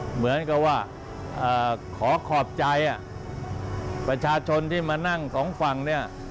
เหมือนกับว่าขอขอบใจประชาชนที่มานั่งสองฝั่งเนี่ย